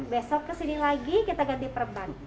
besok kesini lagi kita ganti perban